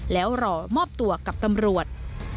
แล้วรอมอบตัวกับตำรวจ